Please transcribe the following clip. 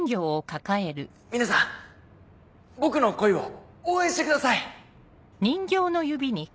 皆さん僕の恋を応援してください。